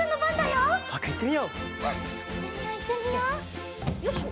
よいしょ！